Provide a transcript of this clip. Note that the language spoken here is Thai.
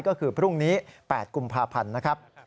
ก็คือพรุ่งนี้๘กุมภาพันธ์นะครับ